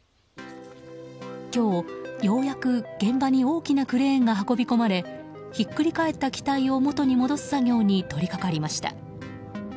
今日、ようやく現場に大きなクレーンが運び込まれひっくり返った機体を元に戻す作業に取り掛かりました。